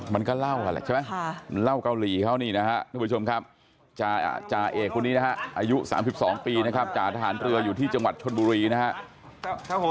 มันก็เล่ากันแหละใช่ไหมมันเล่าเกาหลีเขานี่นะครับทุกผู้ชมครับจ่าเอกคนนี้นะฮะอายุ๓๒ปีนะครับจ่าทหารเรืออยู่ที่จังหวัดชนบุรีนะครับ